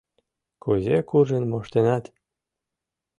— Кузе куржын моштенат?